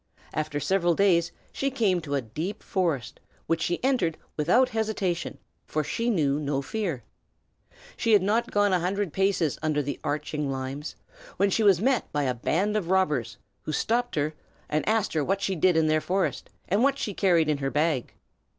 After several days she came to a deep forest, which she entered without hesitation, for she knew no fear. She had not gone a hundred paces under the arching limes, when she was met by a band of robbers, who stopped her and asked what she did in their forest, and what she carried in her bag.